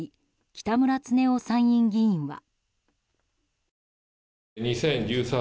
北村経夫参院議員は。